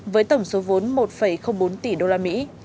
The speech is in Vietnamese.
với tổng số vốn một bốn tỷ đô la mỹ